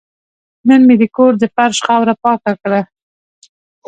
نن مې د کور د فرش خاوره پاکه کړه.